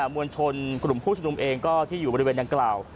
มวลชนกลุ่มผู้ชมนุมเองก็ที่อยู่บริเวณดังกล่าว